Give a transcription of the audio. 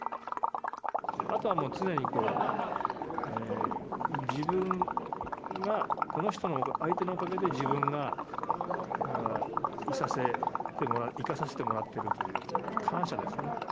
あとはもう、常に自分がこの人の、相手のおかげで自分がいさせて、生かさせてもらってるっていう、感謝ですね。